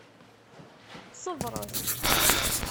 Ṣebṛet!